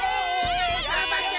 がんばって！